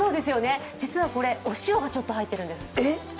実はこれ、お塩がちょっと入ってるんです。